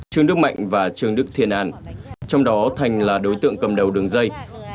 trương đức mạnh và trương đức thiên an trong đó thành là đối tượng cầm đầu đường dây